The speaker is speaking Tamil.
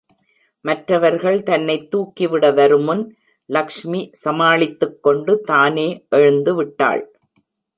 மற்றவர்கள் தன்னைத் தூக்கிவிட வருமுன், லக்ஷ்மி சமாளித்துக்கொண்டு தானே எழுந்துவிட்டாள்.